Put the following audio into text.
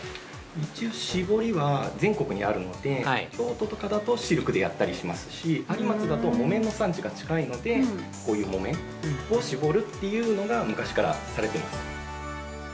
◆一応絞りは全国にあるので、京都とかだとシルクでやったりしますし有松だと、木綿の産地が近いのでこういう木綿を絞るというのが昔からされています。